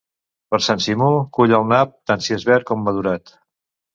Per Sant Simó, cull el nap, tant si és verd com madurat.